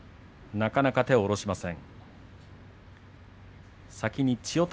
なかなか手を下ろしません。